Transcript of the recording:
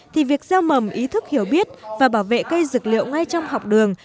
thì việc gieo mầm ý thức hiểu biết và bảo vệ cây dược liệu ngay trong học đường